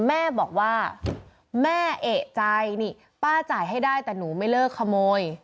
แม่บอกว่าแม่เอกใจนี่ป้าจ่ายให้ได้แต่หนูไม่เลิกขโมย